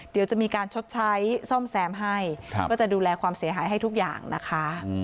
เดี๋ยวจะมีการชดใช้ซ่อมแซมให้ก็จะดูแลความเสียหายให้ทุกอย่างนะคะ